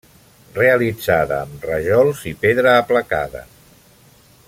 Realitzada amb rajols i pedra aplacada.